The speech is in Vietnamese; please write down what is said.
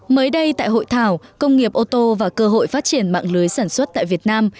mới đây tại hội thảo công nghiệp ô tô và cơ hội phát triển mạng lưới sản xuất tại việt nam